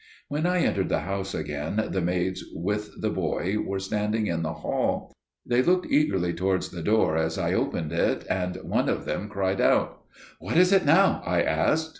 When I entered the house again the maids with the boy were standing in the hall. They looked eagerly towards the door as I opened it, and one of them cried out. "What is it now?" I asked.